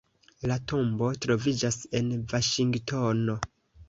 La tombo troviĝas en Vaŝingtono.